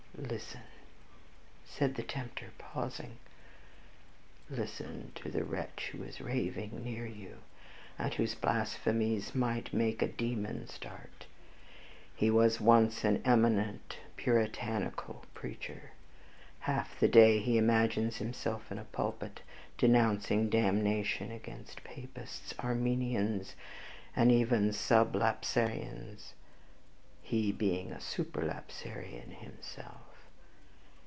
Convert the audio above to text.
Listen," said the tempter, pausing, "listen to the wretch who is raving near you, and whose blasphemies might make a demon start. He was once an eminent puritanical preacher. Half the day he imagines himself in a pulpit, denouncing damnation against Papists, Arminians, and even Sublapsarians (he being a Supra lapsarian himself).